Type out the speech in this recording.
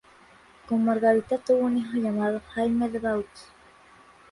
Con Margarita tuvo un hijo llamado Jaime de Baux